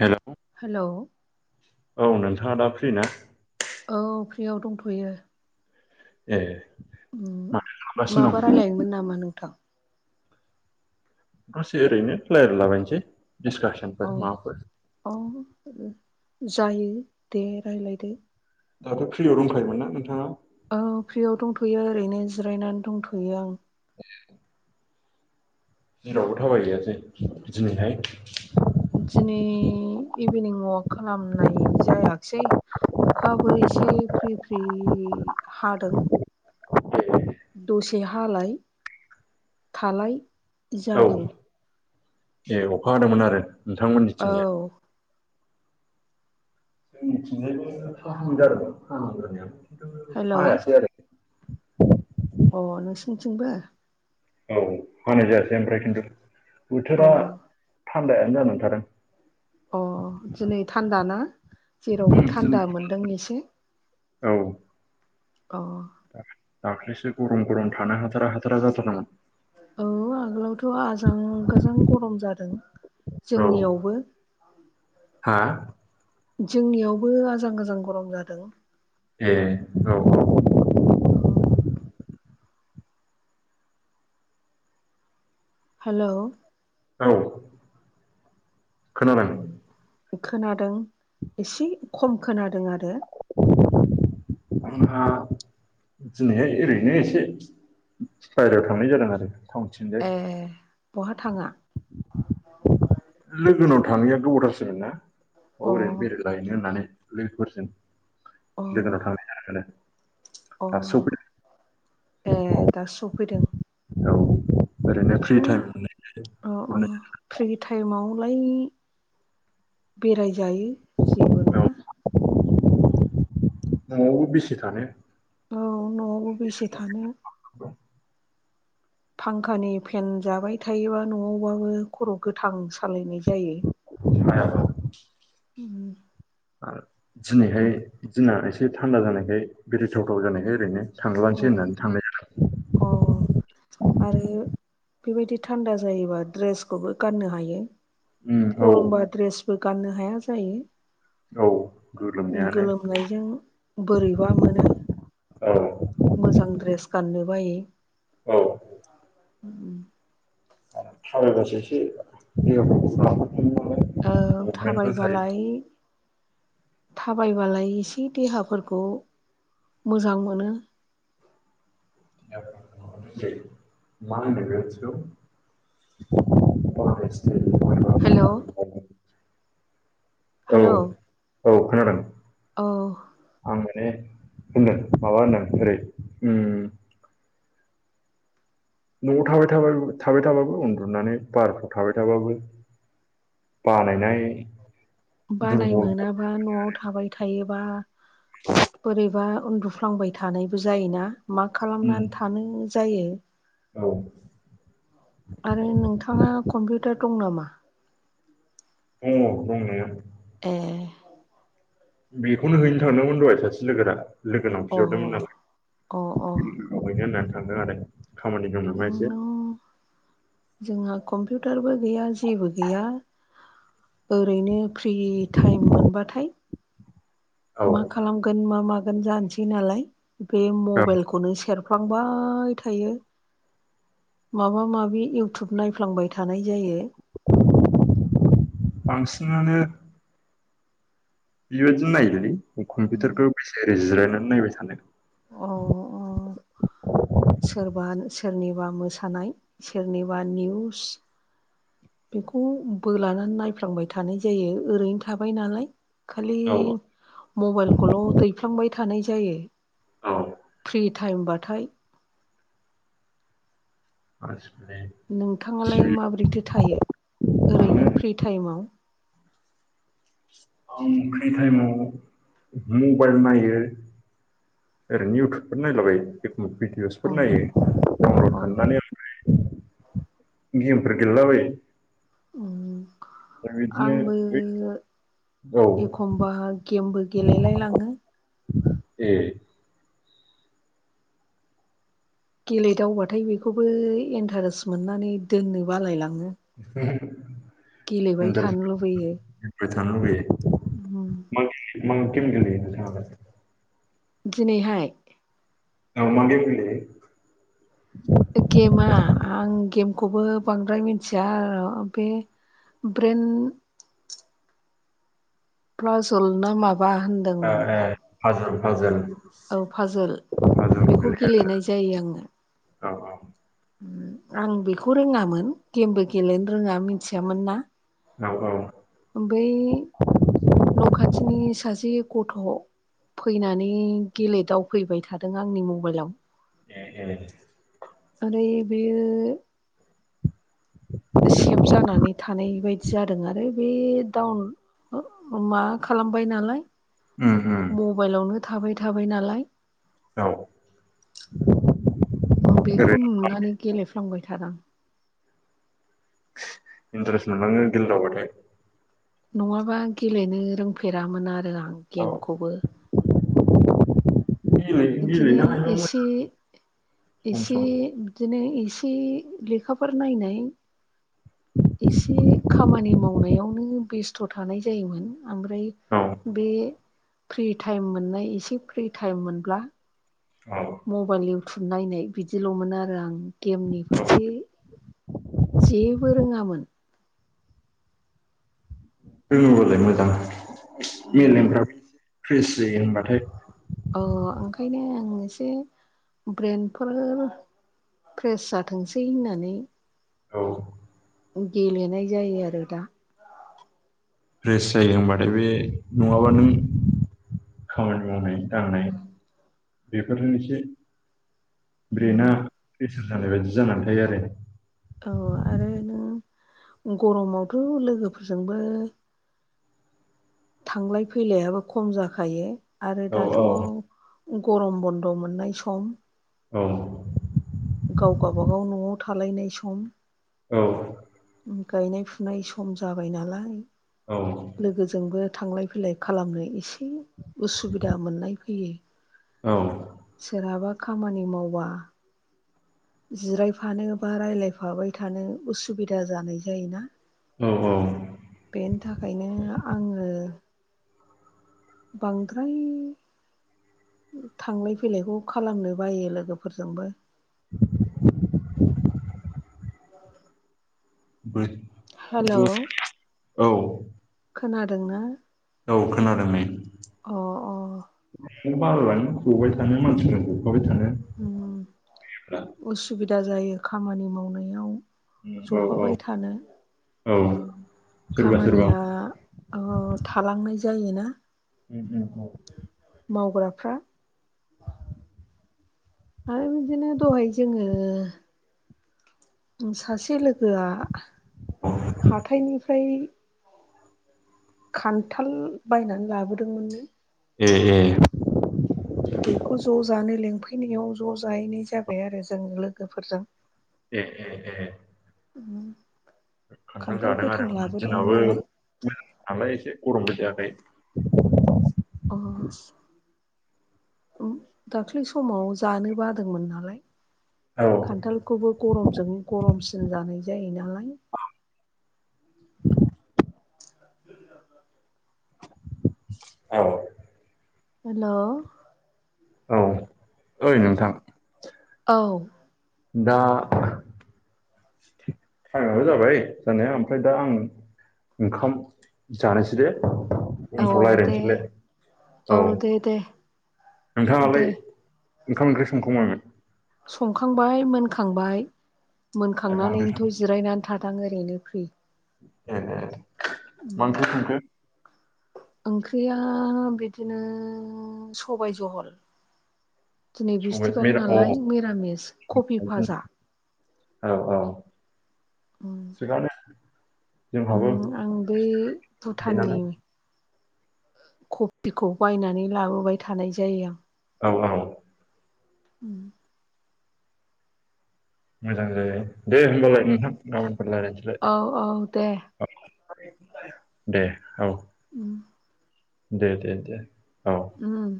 हेल' हेल' औ नोंथाङा दा फ्रि ना? औ फ्रियाव दंथ'यो। ए माथो खालामगासिनो माबा दं रायलायोमोन नामा नोंथां? गसे ओरैनो रायलायलाबायसै अ डिसकासनफोर माबाफोर अ जायो दे रायज्लायदो। दाथ' फ्रियाव रुमखायोन ना नोंथाङा? औ फ्रियाव दंथ'यो ओरैनो जिरायनानै दंथ'यो आं। जेरावबो थाबाय हैयासै दिनैहाय? दिनै इभिनिं वाक खालामनाय जायाखसै। अखाबो एसे फ्रि फ्रि हादों। दसे हालाय। थालाय औ जादों ए अखा हादोंमोन आरो औ नोंथांमोननिथिंजाय। हेल' [unintelligible] अ नोंसिनिथिंबो औ हानाय जायासै ओमफ्राय खिन्थु बोथोरा अ थान्दायानो जानानै थादों। अ दिनै थान्दा ना? जेरावबो थान्दा मोनदों एसे। अ दाख्लसो गरम गरम थाना हाथारा हाथारा जाथारदोंमोन। औ आगोलावथ' आजां गाजां गरम जादों औ जोंनियावबो। हा जोंनियावबो आजां गाजां गरम जादों। ए औ औ औ। हेल' औ। खोनाबाय खोनादों एसे खम खोनादों आरो। [unintelligible] दिनैहाय ओरैनो एसे बायहेरायाव थांनाय जादों आरो। टाउनथिंजाय ए बहा थांङा। लोगोनाव थाङैया गोबावथासोमोन ना अ ओरैनो बेरायला हैनो होननानै। लोगोफोरजों अ गोजानावव थांनाय [unintelligible] अ दासो सफैदों ए दासो सफैदों औ। ओरैनो फ्रि टाइम मोननायखाय अ अ हरनाय फ्रि टाइमावलाय बेरायजायो जेबो जादों औ नंङा न'आवबो बेसे थानो औ न'आवबो बेसे थानो। [inaudible] फांखानि फेन जाबाय थायोबा न'आवबाबो खर' गोथां सालायनाय जायो। हायाबा उम दिनैहाय दिना एसे थान्दा जानायखाय बेरायथावथाव जानायखाय ओरैनो। औ थांलायनोसै होननानै थांनाय जादों अ आरो बेबायदि थान्दा जायोबा ड्रेसखौबो गाननो हायो। उम औ गरमबा द्रेसबो गाननो हाया औ जायो गोलोमनायानो गोलोमनाय जों बोरैबा मोनो औ मोजां द्रेस गाननो बायो औ। उम सारायबासो एसे देहाफोरखौ राफोद मोनो नालाय औ मुभमेन्टफोर थायो थाबायबालाय थाबायबालाय एसे देहाफोरखौ मोजां मोनो [unintelligible] [unintelligible] हेल' औ हेल' औ खोनादों औ आं माने होनदों माबा होनदों ओरै उम न'आव थाबाय थाबाय थाबाबो उन्दुनानै बारफ्राव थाबाय थाबाबो बानायनाय बानाय दुरबल मोनाबा न'आव थाबाय थायोबा बोरैबा उन्दुफ्लांबाय थानायबो जायोना मा उम खालामनानै थानो जायो औ आरो नोंथाङा कम्पिउटार दं नामा? दंङ' दंनाया ए बेखौनो हैनो थांदोंमोन दहाय सासे लोगोोरा लोग अ नांफिहरदोंमोन नालाय अ अ आवायनो होननानै थांदों आरो खामानि दं नामा एसे नोंनाव जोंहा कम्पिउटारबो गैया जेबो गैया ओरैनो फ्रि टाइम मोनबाथाय औ मा खालामगोन मा मागोन जानोसै नालाय बे औ मबाइलखौनो सेर थुख्लांबाय थायो। माबा माबि इउटुब नायफ्लांबाय थानाय जायो। बांसिनानो बेबायदि नायोलै कम्पिउटारखौ बेसेायै जिरायनानै नायबाय थानो औ सोरबा सोरनिबा मोसानाय सोरनिबा निउस बेखौ बोलानानै नायफ्लांबाय थानाय जायो ओरैनो थाबाय नालाय खालि औ मबाइलखौल' दैफ्लांबाय थानाय जायो औ फ्रि टाइमबाथाय [unintelligible] नोंथाङालाय टिभि माबोरैथो थायो आङो ओरैनो फ्रि टाइमाव आं फ्रि टाइमाव मबाइल नायो। ओरैनो इउटुबफोर नायलाबाय एख अ भिदिअसफोर नायो अ अ थांनानै गेमफोर गेलेलाबायो ओमफ्राय बिदिनो आंबो औ एखमबा गेमबो गेलेलायलाङो ए गेलेदावबाथाय बेखौबो इन्टारेस्ट मोननानै दोननो बालायलाङो [unintelligible] गेलेबाय इनतारेस थानो लुबैयो [inaudible] बेयो उम मा बे मा गेम गेलेयो नोंथाङालाय दिनैहाय ओ मा गेम गेलेयो गेमा आं गेमखौबो बांद्राय मिथिया आरो बे ब्रेन खाजल ना माबा होन ए फाजोन फाजोन औ फाजोल बेखौ गेलेनाय जायो आङो। औ औ आं बेखौ रोङामोन गेमबो गेलेनो रोङा मिथियामोन ना औ औ ओमफ्राय न' खाथिनि सासे गथ' फैनानै गेले दावफैबाय थादों आंनि मबाइलाव ए ए ओरै बेयो [inaudible] सेभ जानानै थानाय बायदि जादों आरो बे डाउन मा खालामबाय नालाय उम उम मबाइलावनो थाबाय थाबाय नालाय औ अ ओरै बेखौ नुनानै गेलेफ्लांबाय थादों आं इन्ट्रेस्ट मोनलाङो गेलदावाबाथाय नङाबा गेलेनो रोंफेरामोन आरो आं औ गेमखौबो गेले बिदिनो गेलेनो हायोबा एसे एसे मोजां सम बिदिनो एसे लेखाफोर नायनाय [inaudible] एसे खामानि मावनायावनो बेस्थ' थानाय जायोमोन। ओमफ्राय सम औ बे फ्रि टाइम मोननाय एसे फ्रि टाइम मोनब्ला औ। मबाइल इउटुब नायनाय बिदिल'मोन आरो आं। गेमनि फारसे जेबो रोङामोन। रोङोबालाय मोजां मेलेमफ्राब फ्रेस जायो होनबाथाय। औ ओंखायनो आं एसे ब्रेन्डफोर फ्रेस जाथोंसै होननानै औ। गेलेनाय जायो आरो दा। फ्रेस जायो होनबाथाय बे नङाबा नों खामानि मावनाय दांनाय बेफोरजों एसे ब्रेना प्रेसार जानाय बायदि जानानै थायो आरो। औ आरो नों गरमावथ' लोगोफोरजोंबो थांलाय फैलायाबो खम जाखायो। आरो दाथ' औ गरम बन्द' मोननाय सम। औ। औ गाव गावबागाव न'आव थालायनाय सम। औ। गायनाय फुनाय सम जाबाय नालाय। औ। लोगोजोंबो थांलाय फैलाय खालामनो एसे उसुबिदा मोननाय फैयो। औ। सोरहाबा खामानि मावबा जिरायफानो बा राय्लायफाबाय थानो उसुबिदा जानाय जायोना? औ अ। बेनि थाखायनो आङो बांद्राय थांलाय फैलायखौ खालामनो बायो लोगोफोरजोंबो। [inaudible] बोर हेलौ खोनादों ना? औ खोनादों नै। अ औ बालाइलाङो जबाय थानो मानसिजों जफाबाय थानो। उम उसुबिदा जायो खामानि मावनायाव। औ औ जफाबाय थानो औ। सोरबा सोरबा खामानिया ओ थालांनाय जायोना ओ ओ औ मावग्राफ्रा? [unintelligible] आरो बिदिनो दहाय जोङो उम सासे लोगोआ औ हाथायनिफ्राय खान्थाल बायनानै लाबोदोंमोननो ए ए। बेखौ ज' जानो लिंफैनायाव ज' जाहैनाय जाबाय आरो जों लोगोफोरजों। ए ए ए। उम। खोन्थाल जादों आरो होनबा? दिनाबो नालाय [unintelligible] अ। उ दाख्लै समाव जानो बादोंमोन नालाय। औ खान्थालखौबो गरमजों गरमसिन जानाय जायो नालाय। औ हेलौ औ ओइ नोंथां? औ दा टाइमाबो जाबाय जानाया ओमफ्राय दा आं ओंखाम जानोसै दे औ दोनथ दे लायदिनिसैलाय औ। दे दे दे नोंथाङालाय ओंखाम ओंख्रि संखां बायमोन? संखांबाय मोनखांबाय ए मा ओंख्रि मोनखांनानैनोथ' जिरायनानै थादों आं ओरैनो फ्रि। ए मा ओंख्रि संखो? ओंख्रिया बिदिनो सबाय जहल। दिनै सबाय बिस्थिबार मिरा अ नालाय मिरामिस कफि भाजा। औ औ उम थिगानो। जोंहाबो आं बै देनानै भुटाननि कफिखौ बायनानै लाबोबाय थानाय जायो आं। औ औ उम मोजां जायो दे होमबालाय नोंथां गाबोनफोर रायलायनसै। औ औ दे। दे औ। उम। दे दे दे औ। उम